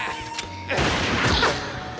あっ！